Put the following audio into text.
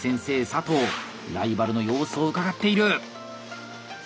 佐藤ライバルの様子をうかがっている！